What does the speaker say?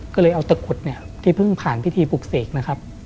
ก็เลยเอาตึกขุดที่เพิ่งผ่านพิธีปกเสกนะครับ